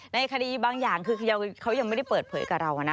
ในคดีบางอย่างคือเขายังไม่ได้เปิดเผยกับเรานะ